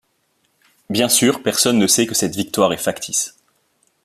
Bien sûr personne ne sait que cette victoire est factice.